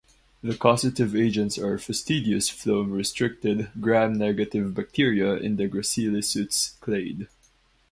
The causative agents are fastidious phloem-restricted, Gram-negative bacteria in the gracilicutes clade.